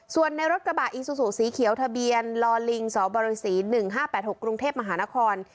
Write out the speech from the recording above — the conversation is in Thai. ส่วนในรถกระบะอิซุสูตรสีเขียวทะเบียนลอลิงสอบบรศรีหนึ่งห้าแปดหกกรุงเทพมหานคร